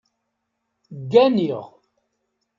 Gganiɣ